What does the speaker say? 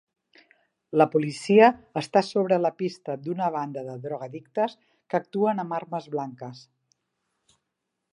La policia està sobre la pista d'una banda de drogoaddictes que actuen amb armes blanques.